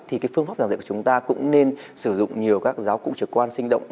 thì phương pháp giảng dạy của chúng ta cũng nên sử dụng nhiều các giáo cụ trực quan sinh động